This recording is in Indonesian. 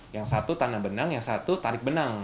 yang satu tanah benang yang satu tarik benang